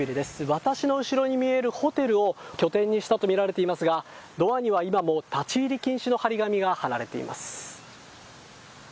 私の後ろに見えるホテルを拠点にしたと見られていますが、ドアには今も、立ち入り禁止の貼り紙が貼られています。